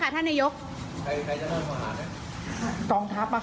นายกแต่ถามเรื่องอื่นก็ได้ค่ะนายก